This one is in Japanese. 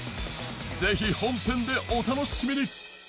ぜひ本編でお楽しみに！